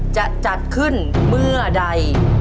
จะจัดขึ้นเมื่อใด